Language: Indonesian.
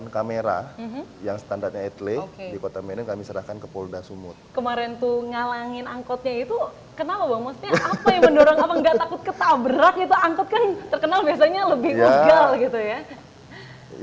sembilan puluh sembilan kamera yang standarnya etlek di kota medan kami serahkan ke polda sumut kemarin tuh ngalangin